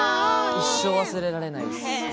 一生忘れられないです。